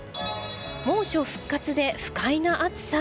猛暑復活で不快な暑さ。